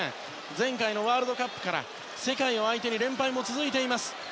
前回のワールドカップから世界を相手に連敗も続いています。